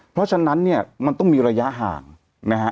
เพราะฉะนั้นเนี่ยมันต้องมีระยะห่างนะฮะ